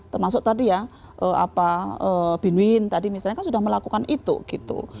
termasuk tadi ya bin win tadi kan sudah melakukan itu